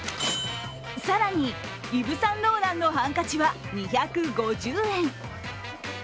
更にイヴ・サンローランのハンカチは２５０円。